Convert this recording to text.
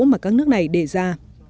mà các nước này đề ra